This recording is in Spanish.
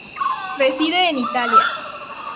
Reside en Italia.